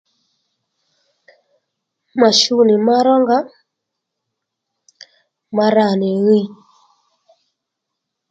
Ma shu nì ma rónga ma ra nì ɦiy